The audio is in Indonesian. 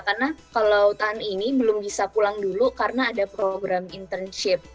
karena kalau tahun ini belum bisa pulang dulu karena ada program internship